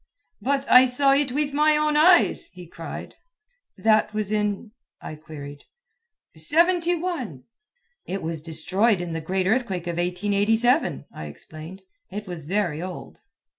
"But I saw it with my own eyes!" he cried. "That was in ?" I queried. "Seventy one." "It was destroyed in the great earthquake of 1887," I explained. "It was very old."